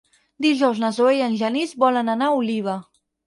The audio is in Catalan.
Dijous na Zoè i en Genís volen anar a Oliva.